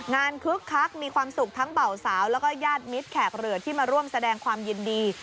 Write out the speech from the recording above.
คึกคักมีความสุขทั้งเบาสาวแล้วก็ญาติมิตรแขกเหลือที่มาร่วมแสดงความยินดี